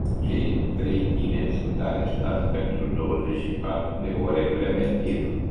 Cei trei tineri sunt arestați pentru douăzeci și patru de ore preventiv.